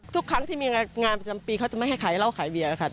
ทุกครั้งที่มีงานประจำปีเขาจะไม่ให้ขายเหล้าขายเบียร์ค่ะ